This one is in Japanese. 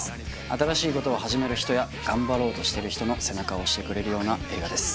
新しいことを始める人や頑張ろうとしてる人の背中を押してくれるような映画です